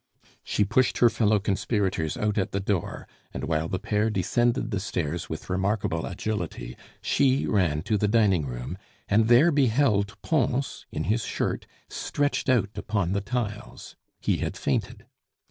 She pushed her fellow conspirators out at the door, and while the pair descended the stairs with remarkable agility, she ran to the dining room, and there beheld Pons, in his shirt, stretched out upon the tiles. He had fainted.